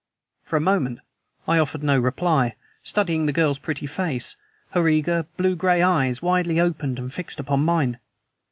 For a moment I offered no reply, studying the girl's pretty face, her eager, blue gray eyes widely opened and fixed upon mine.